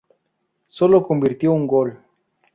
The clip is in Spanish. Solo convirtió un gol.